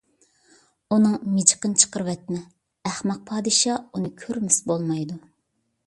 ئۇنىڭ مىجىقىنى چىقىرىۋەتمە، ئەخمەق پادىشاھ ئۇنى كۆرمىسە بولمايدۇ.